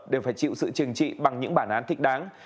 đều phải chịu sự trừng trị bằng những bản án thích đáng